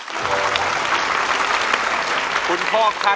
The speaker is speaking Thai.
คุณพ่อคุณแม่แล้วก็น้องชาย